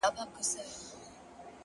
راته يادېږې شپه كړم څنگه تېره؛